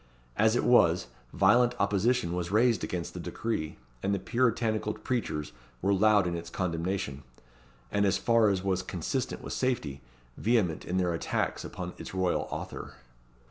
As it was, violent opposition was raised against the decree, and the Puritanical preachers wore loud in its condemnation, and as far as was consistent with safety, vehement in their attacks upon its royal author.